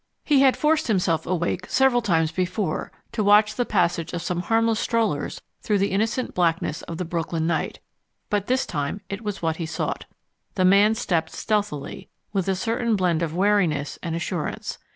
He had forced himself awake several times before, to watch the passage of some harmless strollers through the innocent blackness of the Brooklyn night, but this time it was what he sought. The man stepped stealthily, with a certain blend of wariness and assurance.